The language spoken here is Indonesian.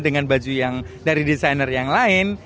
dengan baju yang dari desainer yang lain